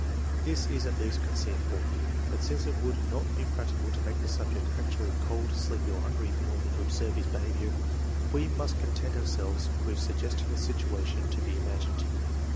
This is at least conceivable, but since it would not be practicable to make the subject actually cold, sleepy, or hungry in order to observe his behavior. TEST NO. IV, 150 we must content ourselves with suggesting a situation to be imagined.